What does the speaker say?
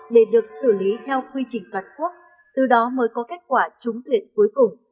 để được xử lý theo quy trình toàn quốc từ đó mới có kết quả trúng tuyển cuối cùng